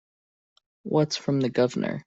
What's from the Governor?